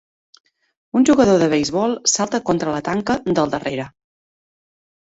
Un jugador de beisbol salta contra la tanca del darrere.